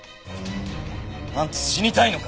あんた死にたいのか？